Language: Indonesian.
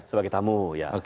sebagai tamu ya